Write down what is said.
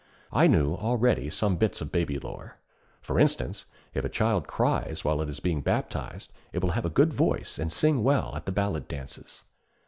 I knew, already, some bits of babylore. For instance, if a child cries while it is being baptized, it will have a good voice and sing well at the ballad dances.